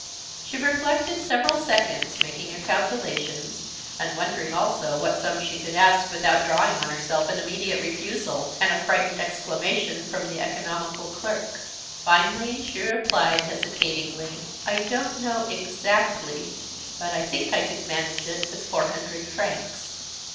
She reflected several seconds, making her calculations and wondering also what sum she could ask without drawing on herself an immediate refusal and a frightened exclamation from the economical clerk. Finally, she replied, hesitatingly: "I don't know exactly, but I think I could manage it with four hundred francs."